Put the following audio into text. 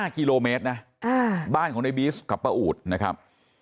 ๕กิโลเมตรนะบ้านของในบีสกับป้าอูดนะครับ